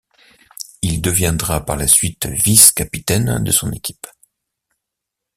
Il deviendra par la suite vice-capitaine de son équipe.